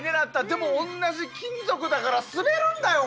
でも同じ金属だから滑るんだよ